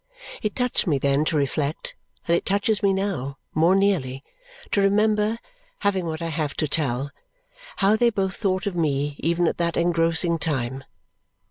It touched me then to reflect, and it touches me now, more nearly, to remember (having what I have to tell) how they both thought of me, even at that engrossing time.